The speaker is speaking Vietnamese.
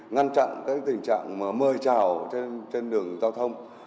ngăn chặn các tình trạng mời trào trên đường giao thông